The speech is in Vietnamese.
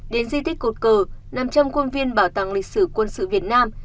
đến di tích cột cờ năm trăm linh quân viên bảo tàng lịch sử quân sự việt nam